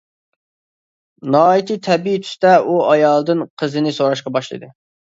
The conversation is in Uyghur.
ناھايىتى تەبىئىي تۈستە ئۇ ئايالدىن قىزىنى سوراشقا باشلىدى.